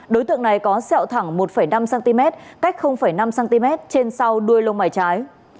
đối tượng này có sẹo thẳng một năm cm cách năm cm trên sau đuôi lông mày trái